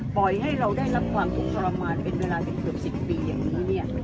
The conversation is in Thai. ปล่อยให้เราได้รับความสุขทรมานเป็นเวลาเป็นเกือบสิบปีอย่างนี้เนี่ย